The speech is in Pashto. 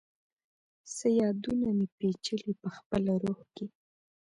څه یادونه مي، پیچلي پخپل روح کي